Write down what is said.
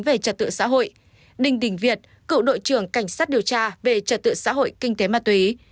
về trật tựa xã hội đinh đình việt cựu đội trưởng cảnh sát điều tra về trật tựa xã hội kinh tế mặt tùy